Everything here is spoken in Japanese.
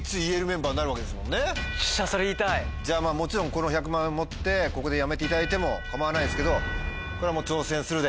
この１００万円を持ってここでやめていただいても構わないですけどこれはもう挑戦するで。